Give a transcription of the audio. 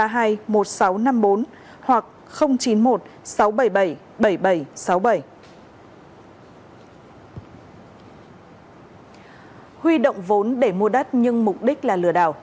huy động vốn để mua đất nhưng mục đích là lừa đảo